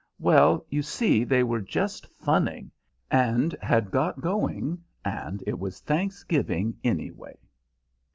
"Well, you see, they were just funning, and had got going, and it was Thanksgiving, anyway."